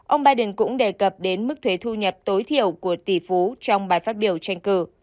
ông biden cũng đề cập đến mức thuế thu nhập tối thiểu của tỷ phú trong bài phát biểu tranh cử